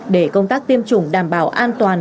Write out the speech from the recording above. để công tác tiêm chủng đảm bảo an toàn